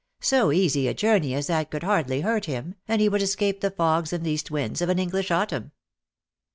So easy a journey as that could hardly hurt him, and he would escape the fogs and east winds of an English autumn."